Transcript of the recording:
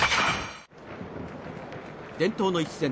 伝統の一戦。